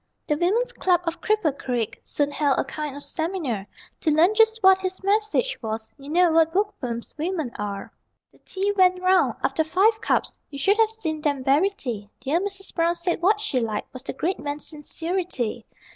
The women's club of Cripple Creek Soon held a kind of seminar To learn just what his message was You know what bookworms women are. The tea went round. After five cups (You should have seen them bury tea) Dear Mrs. Brown said what she liked Was the great man's sincerity.